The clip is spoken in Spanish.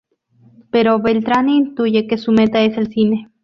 Pero Beltrán intuye que su meta es el cine.